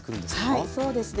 はいそうですね。